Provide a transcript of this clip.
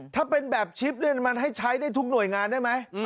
ถ้าเป็นแบบชิปมันให้ใช้ได้ทุกหน่วยงานได้ไหม